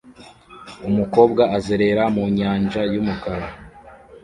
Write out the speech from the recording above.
Umukobwa azerera mu nyanja yumukara